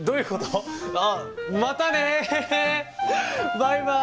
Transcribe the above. バイバイ！